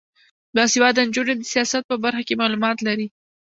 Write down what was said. باسواده نجونې د سیاحت په برخه کې معلومات لري.